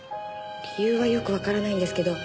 理由はよくわからないんですけど。